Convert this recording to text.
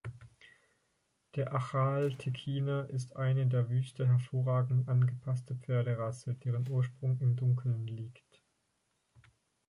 Der Achal-Tekkiner ist eine der Wüste hervorragend angepasste Pferderasse, deren Ursprung im Dunkeln liegt.